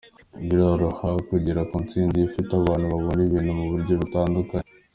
Biroroha kugera ku ntsinzi iyo ufite abantu babona ibintu mu buryo butandukanye.